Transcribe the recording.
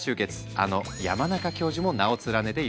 あの山中教授も名を連ねているんです。